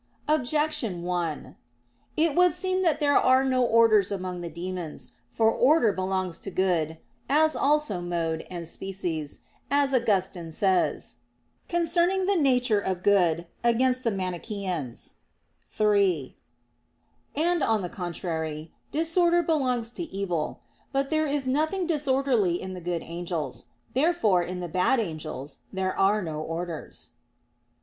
Objection 1: It would seem that there are no orders among the demons. For order belongs to good, as also mode, and species, as Augustine says (De Nat. Boni iii); and on the contrary, disorder belongs to evil. But there is nothing disorderly in the good angels. Therefore in the bad angels there are no orders.